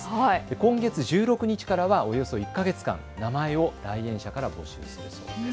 今月１６日からはおよそ１か月間、名前を来園者から募集するそうです。